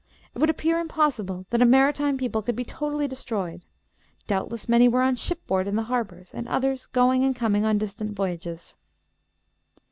It would appear impossible that a maritime people could be totally destroyed; doubtless many were on shipboard in the harbors, and others going and coming on distant voyages.